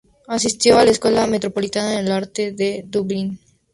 Asistió a la Escuela Metropolitana de Arte de Dublín.